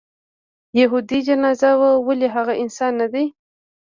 یهودي جنازه وه ولې هغه انسان نه دی.